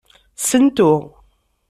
Sentu.